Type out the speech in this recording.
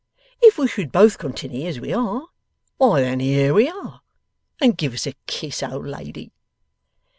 If we should both continny as we are, why then HERE we are, and give us a kiss, old lady.